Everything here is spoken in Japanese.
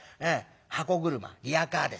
箱車リヤカーですよ